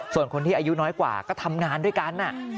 ส่วนคนที่อายุน้อยกว่าก็ทำงานด้วยกัน